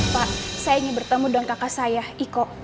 pak saya ingin bertemu dengan kakak saya iko